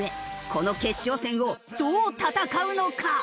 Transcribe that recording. この決勝戦をどう戦うのか？